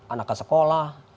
anak ke sekolah